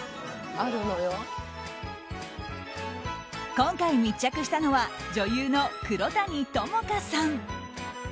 今回密着したのは女優の黒谷友香さん。